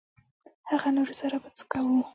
هغه نورو سره به څه کوو.